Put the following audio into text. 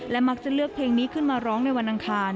มักจะเลือกเพลงนี้ขึ้นมาร้องในวันอังคาร